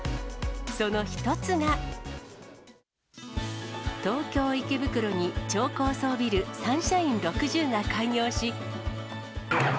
その一つが、東京・池袋に超高層ビル、サンシャイン６０が開業し。